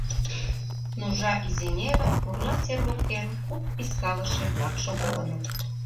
Нужа изеҥерын пурла сер воктен куп вискалыше-влак шогалыныт.